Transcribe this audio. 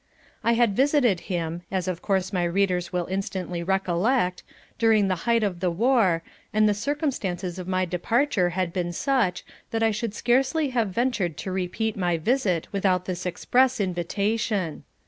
I had visited him as of course my readers will instantly recollect during the height of the war, and the circumstances of my departure had been such that I should have scarcely ventured to repeat my visit without this express invitation.